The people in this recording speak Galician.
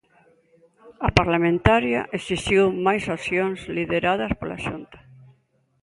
A parlamentaria exixiu máis accións lideradas pola Xunta.